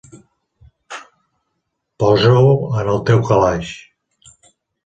Posa-ho en el teu calaix.